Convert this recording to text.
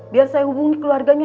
biar saya hubungi keluarganya